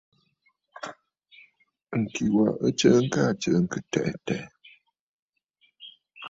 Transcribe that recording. Ŋ̀kì wa ɨ t;sɨɨkə aa tsɨ̀ɨ̀ŋkə̀ tɛʼɛ̀ tɛ̀ʼɛ̀.